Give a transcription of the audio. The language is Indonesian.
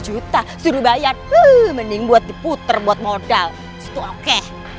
juta suruh bayar mending buat diputer buat modal itu oke